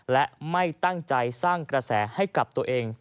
และไม่ตั้งใจสร้างกระแสให้กับตัวเอง